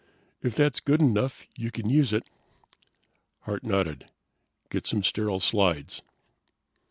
"If that's good enough you can use it." Hart nodded. "Get some sterile slides."